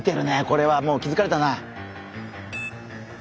これはもう気づかれたな。